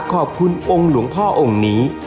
ขอบคุณองค์หลวงพ่อองค์นี้